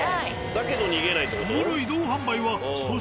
だけど逃げないって事？